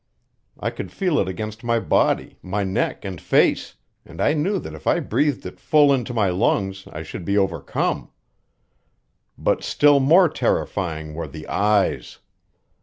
I could feel it against my body, my neck and face, and knew that if I breathed it full into my lungs I should be overcome. But still more terrifying were the eyes.